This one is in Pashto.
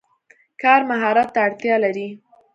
کار مهارت ته اړتیا لري.